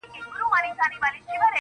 • تنورونه له اسمانه را اوریږي -